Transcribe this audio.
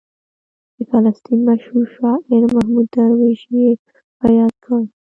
د فلسطین مشهور شاعر محمود درویش یې رایاد کړ.